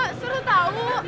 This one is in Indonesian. ayo suruh tahu